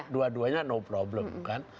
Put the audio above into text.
dua duanya no problem kan